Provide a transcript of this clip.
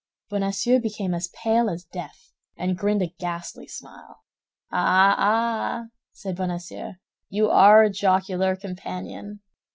Bonacieux became as pale as death, and grinned a ghastly smile. "Ah, ah!" said Bonacieux, "you are a jocular companion!